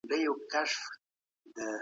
سياست له ځواک او زور سره نيژدې تړاو لري.